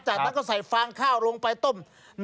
จากนั้นก็ใส่ฟางข้าวลงไปต้ม